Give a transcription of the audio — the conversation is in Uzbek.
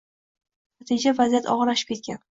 Natijada vaziyat og‘irlashib ketgan.